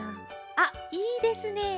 あっいいですね。